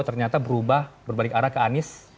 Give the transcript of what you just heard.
ternyata berubah berbalik arah ke anies